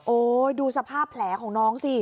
ดูสภาพแผลของน้องสิ